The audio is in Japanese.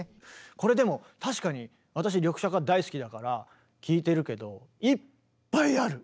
これでも確かに私リョクシャカ大好きだから聴いてるけどいっぱいある。